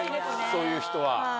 そういう人は。